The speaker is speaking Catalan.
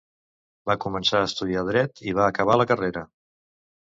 Va començar a estudiar Dret i va acabar la carrera.